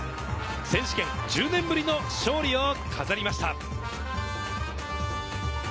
選手権１０年ぶりの勝利を飾りました。